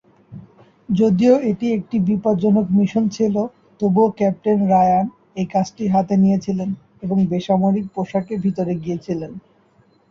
যদিও এটি একটি বিপজ্জনক মিশন ছিল, তবুও ক্যাপ্টেন রায়না এই কাজটি হাতে নিয়েছিলেন এবং বেসামরিক পোশাকে ভিতরে গিয়েছিলেন।